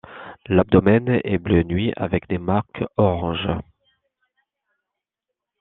L'abdomen est bleu nuit avec des marques orange.